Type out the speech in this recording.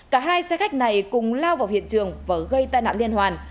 cả hai xe khách này cùng lao vào hiện trường và gây tai nạn liên hoàn